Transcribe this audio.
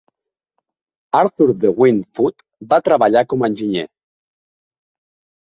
Arthur De Wint Foote va treballar com a enginyer.